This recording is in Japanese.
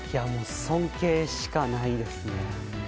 尊敬しかないですね。